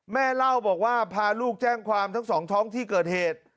แม่เล่าบอกว่าพาลูกแจ้งความทั้งสองท้องที่เกิดเหตุ